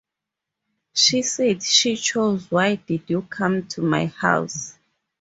She said she chose Why Did You Come to My House?